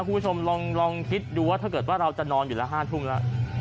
คุณผู้ชมลองคิดดูว่าถ้าเกิดว่าเราจะนอนอยู่ละ๕ทุ่มแล้ว